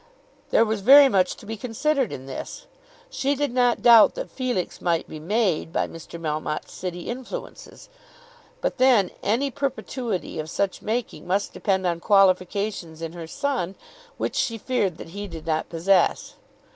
There was very much to be considered in this. She did not doubt that Felix might be "made" by Mr. Melmotte's city influences, but then any perpetuity of such making must depend on qualifications in her son which she feared that he did not possess.